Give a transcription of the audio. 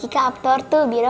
ini bu bu